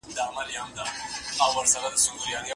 په خطا کې د طلاق لفظ څنګه صادریږي؟